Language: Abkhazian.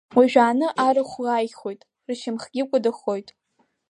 Уажәааны арахә ӷааихоит, ршьамхгьы кәадахоит.